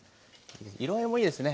色合いもいいですね。